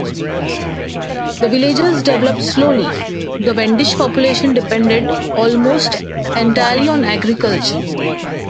The villages developed slowly; the Wendish population depended almost entirely on agriculture.